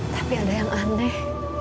tapi ada yang aneh